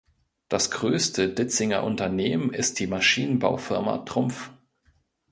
Das größte Ditzinger Unternehmen ist die Maschinenbaufirma Trumpf.